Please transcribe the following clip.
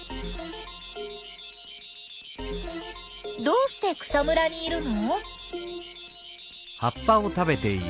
どうして草むらにいるの？